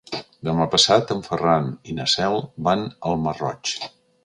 Demà passat en Ferran i na Cel van al Masroig.